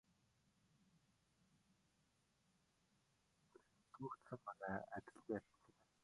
Дамираны сэтгэлд бялхаж явсан баяр хөөр салхинд туугдсан манан адил арилжээ.